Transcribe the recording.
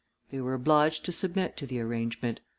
They were obliged to submit to the arrangement.